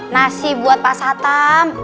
nasi buat pak satam